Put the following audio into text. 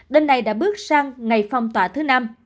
đêm nay đã bước sang ngày phong tỏa thứ năm